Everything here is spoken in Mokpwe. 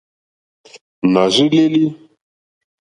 Nà rzí lélí.